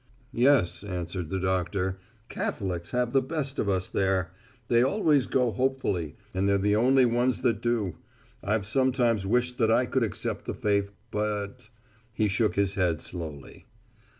"Yes," answered the doctor, "Catholics have the best of us there. They always go hopefully, and they're the only ones that do. I've sometimes wished that I could accept the faith, but " he shook his head slowly.